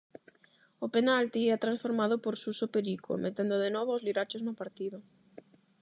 O penalti é transformado por Suso Perico metendo de novo aos lirachos no partido.